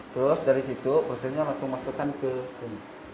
terus dari situ prosesnya langsung masukkan ke sini